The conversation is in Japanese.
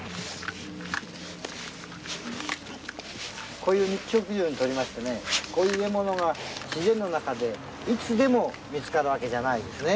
こういう肉食獣にとりましてこういうものが自然の中でいつでも見つかるわけじゃないですね。